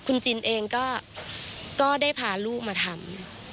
คุณจินเองก็ได้พาลูกมาทำ